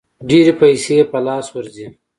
ډېرې پیسې په لاس ورځي.